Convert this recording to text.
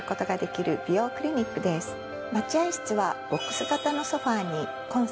待合室は。